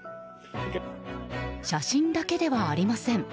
写真だけではありません。